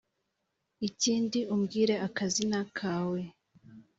ikindi umbwire akazina kawe